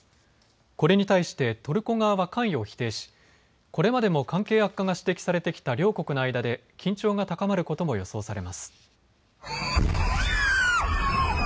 これに対してトルコ側は関与を否定しこれまでも関係悪化が指摘されてきた両国の間で緊張が高まることも予想されます。